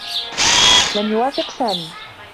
لم يوافق سامي.